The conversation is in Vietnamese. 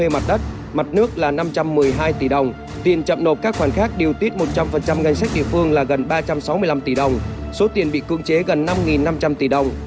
mặt đất mặt nước là năm trăm một mươi hai tỷ đồng tiền chậm nộp các khoản khác điều tiết một trăm linh ngân sách địa phương là gần ba trăm sáu mươi năm tỷ đồng số tiền bị cưỡng chế gần năm năm trăm linh tỷ đồng